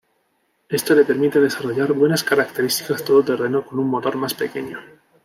Esto le permite desarrollar buenas características todoterreno con un motor más pequeño.